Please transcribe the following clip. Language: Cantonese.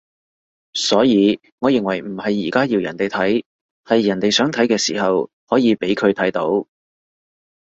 所以我認為唔係而家要人哋睇，係人哋想睇嘅時候可以畀佢睇到